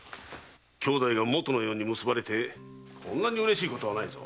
姉弟がもとのように結ばれてこんなに嬉しいことはないぞ。